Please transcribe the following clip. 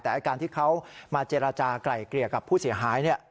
แต่การที่เขามาเจรจากลายเกลี่ยกับผู้เสียหาย